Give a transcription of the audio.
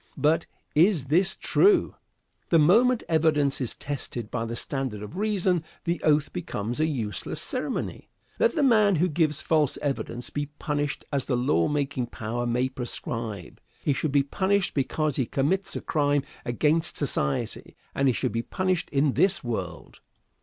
but, "Is this true?" The moment evidence is tested by the standard of reason, the oath becomes a useless ceremony. Let the man who gives false evidence be punished as the lawmaking power may prescribe. He should be punished because he commits a crime against society, and he should be punished in this world.